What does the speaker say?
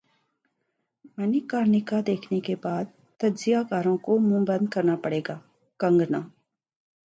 منیکارنیکا دیکھنے کے بعد تجزیہ کاروں کو منہ بند کرنا پڑے گا کنگنا